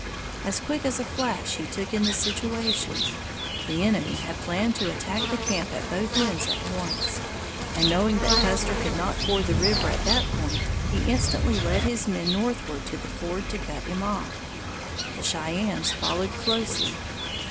As quick as a flash, he took in the situation the enemy had planned to attack the camp at both ends at once; and knowing that Custer could not ford the river at that point, he instantly led his men northward to the ford to cut him off. The Cheyennes followed closely.